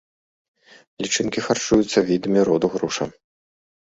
Лічынкі харчуюцца відамі роду груша.